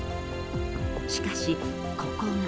しかし、ここが。